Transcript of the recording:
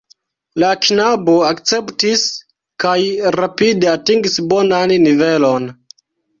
La knabo akceptis, kaj rapide atingis bonan nivelon.